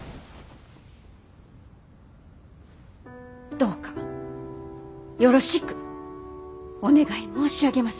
どうかよろしくお願い申し上げます。